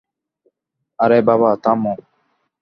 আরে, বাবা--- - থামো।